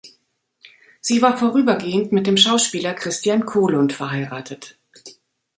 Sie war vorübergehend mit dem Schauspieler Christian Kohlund verheiratet.